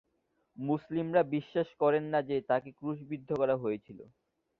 মুসলিমরা বিশ্বাস করেন না যে, তাঁকে ক্রুশবিদ্ধ করা হয়েছিল।